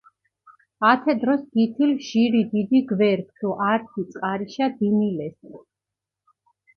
ათე დროს გითილჷ ჟირი დიდი გვერქჷ დო ართი წყარიშა დინილესჷ.